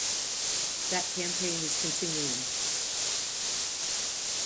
That campaign is continuing.